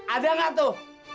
ada gak tuh